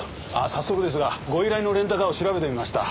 早速ですがご依頼のレンタカーを調べてみました。